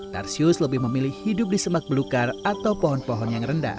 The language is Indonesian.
tarsius lebih memilih hidup di semak belukar atau pohon pohon yang rendah